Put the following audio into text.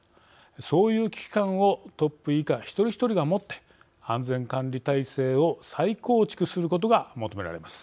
そういう危機感をトップ以下一人一人が持って安全管理体制を再構築することが求められます。